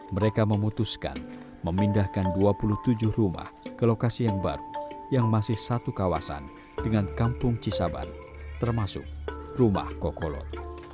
mereka memutuskan memindahkan dua puluh tujuh rumah ke lokasi yang baru yang masih satu kawasan dengan kampung cisabar termasuk rumah kokolot